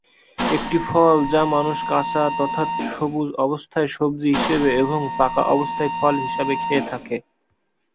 একটি ফল যা মানুষ কাঁচা তথা সবুজ অবস্থায় সব্জি হিসেবে এবং পাকা অবস্থায় ফল হিসাবে খেয়ে থাকে।